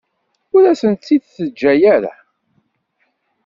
Ur asent-t-id-teǧǧa ara.